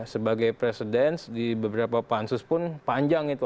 sebagai presiden di beberapa pansus pun panjang itu